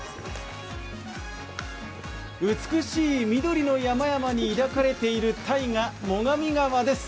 美しい緑の山々に抱かれている大河、最上川です。